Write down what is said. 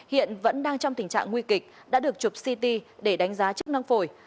hiện vẫn đang trong tình trạng nguy kịch đã được chụp ct để đánh giá chức năng phổi